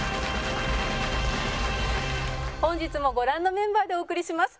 本日もご覧のメンバーでお送りします。